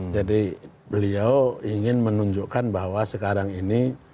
jadi beliau ingin menunjukkan bahwa sekarang ini